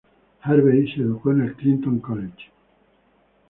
Hervey se educó en el Clifton College.